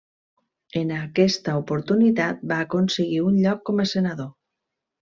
En aquesta oportunitat va aconseguir un lloc com a senador.